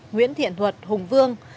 nguyễn thiện thuật hùng vương